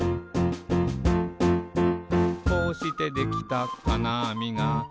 「こうしてできたかなあみが」